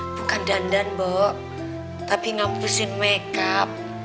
bukan dandan bok tapi ngapusin makeup